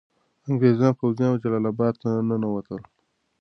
انګریز پوځیان جلال اباد ته ننوتل.